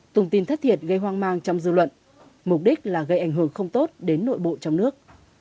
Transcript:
tung tin thất thiệt gây hoang mang trong dư luận mục đích là gây ảnh hưởng không tốt đến nội bộ trong nước